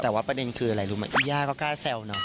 แต่ว่าประเด็นคืออะไรรู้ไหมคุณย่าก็กล้าแซวเนอะ